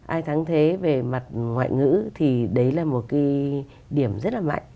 ai thắng thế về mặt ngoại ngữ thì đấy là một cái điểm rất là mạnh